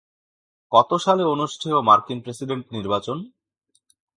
কত সালে অনুষ্ঠেয় মার্কিন প্রেসিডেন্ট নির্বাচন?